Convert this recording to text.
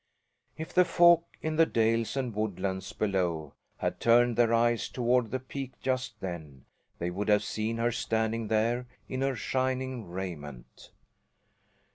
If the folk in the dales and woodlands below had turned their eyes toward the peak just then, they would have seen her standing there in her shining raiment.